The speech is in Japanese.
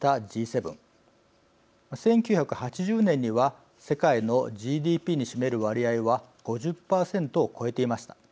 １９８０年には世界のＧＤＰに占める割合は５０％を超えていました。